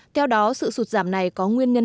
theo đó sự sụt giảm này có nguyên nhân